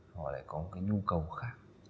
họ lại có một cái nhu cầu khác